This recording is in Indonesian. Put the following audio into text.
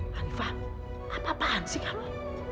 hanifah apa apaan sih kamu